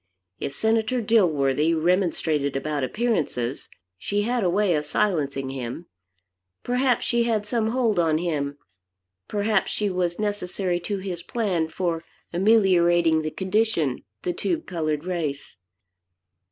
If Senator Dilworthy remonstrated about appearances, she had a way of silencing him. Perhaps she had some hold on him, perhaps she was necessary to his plan for ameliorating the condition of the colored race.